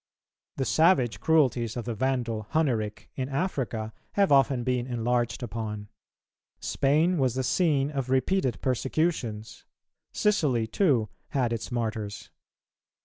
The savage cruelties of the Vandal Hunneric in Africa have often been enlarged upon; Spain was the scene of repeated persecutions; Sicily, too, had its Martyrs.